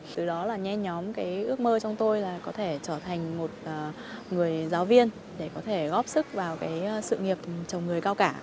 từ đó là nhen nhóm cái ước mơ trong tôi là có thể trở thành một người giáo viên để có thể góp sức vào cái sự nghiệp chồng người cao cả